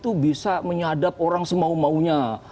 itu bisa menyadap orang semau maunya